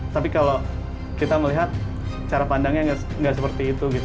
tapi kalau kita melihat cara pandangnya nggak seperti itu gitu